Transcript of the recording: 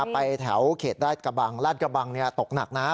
ไปแถวเขตลาดกระบังลาดกระบังตกหนักนะ